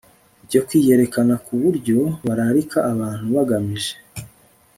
byo kwiyerekana ku buryo bararika abantu bagamije